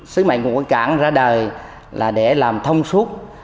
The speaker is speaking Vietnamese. sứ mệnh của quốc tế cảng ra đời là để làm thông suốt